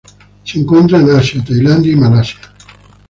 Se encuentran en Asia: Tailandia y Malasia.